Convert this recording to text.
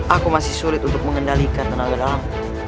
aku masih sulit untuk mengendalikan tenaga dalam